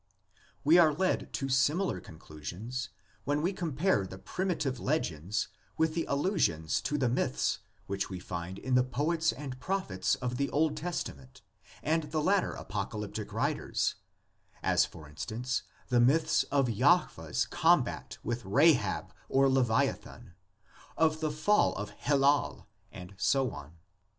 We are led to similar conclusions when we com pare the primitive legends with the allusions to the myths which we find in the poets and prophets of the Old Testament and the later apocalyptic writ ers;' as, for instance, the myths of Jahveh's combat with Rahab or Leviathan, of the fall of Helal, and so on.